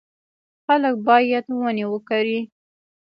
خلک باید ونې وکري.